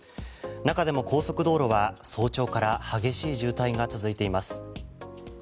中でも高速道路は早朝から激しい渋滞が続いています。